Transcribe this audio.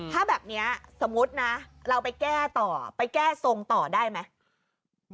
ถ้าแบบนี้สมมุตินะเราไปแก้ต่อไปแก้ทรงต่อได้ไหม